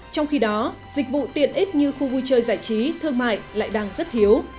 trong khi đó dịch vụ tiện ích như khu vui chơi giải trí thương mại lại đang rất thiếu